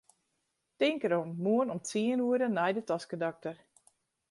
Tink derom, moarn om tsien oere nei de toskedokter.